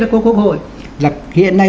đã có cơ hội là hiện nay